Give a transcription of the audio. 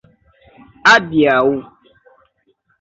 adiaŭ